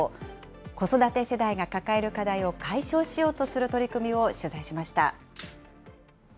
子育て世代が抱える課題を解消しようとする取り組みを取材しました。